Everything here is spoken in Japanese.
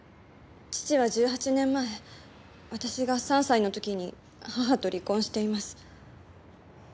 父は１８年前私が３歳の時に母と離婚しています。